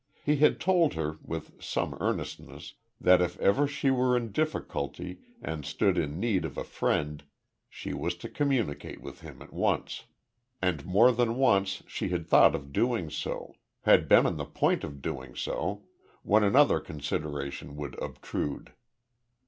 He had told her with some earnestness that if ever she were in a difficulty, and stood in need of a friend she was to communicate with him at once. And more than once she had thought of doing so had been on the point of doing so when another consideration would obtrude.